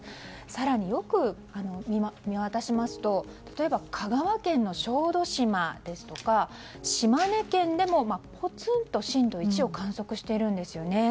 更に、よく見渡しますと例えば香川県の小豆島ですとか島根県でもポツンと震度１を観測しているんですよね。